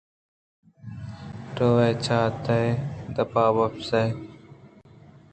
روئے چات ءِ دپ ءَ وپس ئے